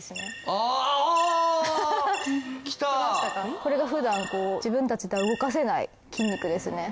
これが普段こう自分たちでは動かせない筋肉ですね。